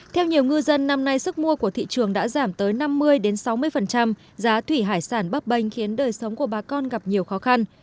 theo nhiều ngư dân năm nay sức mua của thị trường đã giảm tới năm mươi sáu mươi giá thủy hải sản bắp bênh khiến đời sống của bà con gặp nhiều khó khăn